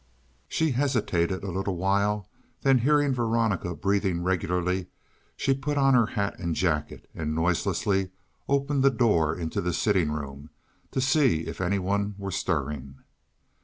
She hesitated a little while, then hearing Veronica breathing regularly, she put on her hat and jacket, and noiselessly opened the door into the sitting room to see if any one were stirring.